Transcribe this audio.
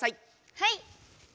はい！